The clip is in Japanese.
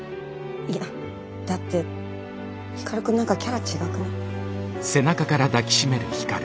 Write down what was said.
いやだって光くん何かキャラ違くない？